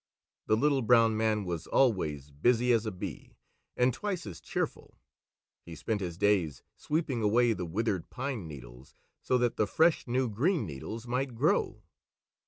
The Little Brown Man was always busy as a bee and twice as cheerful. He spent his days sweeping away the withered pine needles so that fresh new green needles might grow.